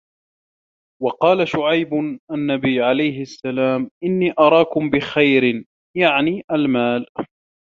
وَقَالَ شُعَيْبٌ النَّبِيُّ عَلَيْهِ السَّلَامُ إنِّي أَرَاكُمْ بِخَيْرٍ يَعْنِي الْمَالَ